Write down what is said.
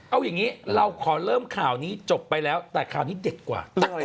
เอาอย่างนี้เราขอเริ่มข่าวนี้จบไปแล้วแต่ข่าวนี้เด็ดกว่า